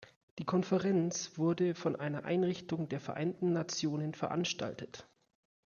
Die Konferenz wurde von einer Einrichtung der Vereinten Nationen veranstaltet.